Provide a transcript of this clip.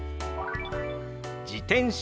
「自転車」。